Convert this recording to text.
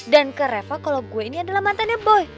dan ke reva kalo gue ini adalah mantannya boy